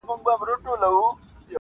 اوس به سخته سزا درکړمه و تاته-